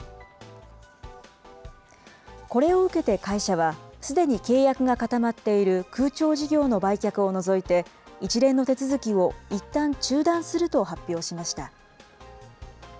これを受けて会社は、すでに契約が固まっている空調事業の売却を除いて、一連の手続きをいったん中断すると発表しました。